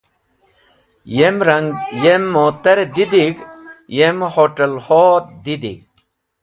Yem rang, yem mutar e didig̃h, yem hot̃alho’v didig̃h.